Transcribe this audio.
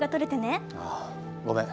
ああごめん。